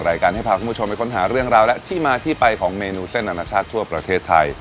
รายการให้พาคุณผู้ชมไปค้นหาเรื่องราวและที่มาที่ไปของเมนูเส้นอนาชาติทั่วประเทศไทย